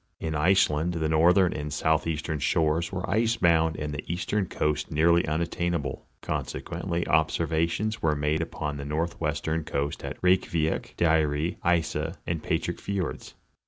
In Ice land the northern and southeastern shores were ice bound and the eastern coast nearly unattainable; consequently observations were made upon the northwestern coast at Reykiavick, Dyre, Isa and Patrix fiords.